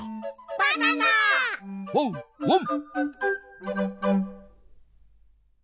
ワンワン！